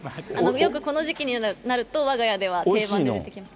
この時期になるとわが家では定番で出てきます。